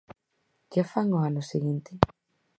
¿Que fan ao ano seguinte?